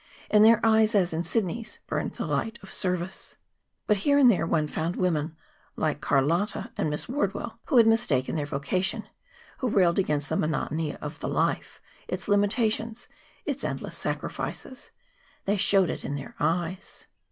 In their eyes, as in Sidney's, burned the light of service. But here and there one found women, like Carlotta and Miss Wardwell, who had mistaken their vocation, who railed against the monotony of the life, its limitations, its endless sacrifices. They showed it in their eyes.